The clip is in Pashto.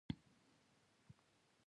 علم د ستونزو سره د مقابلي وړتیا زیاتوي.